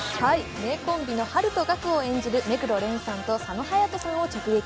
名コンビのハルとガクを演じる目黒蓮さんと佐野勇斗さんを直撃。